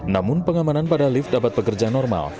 namun pengamanan pada lift dapat bekerja normal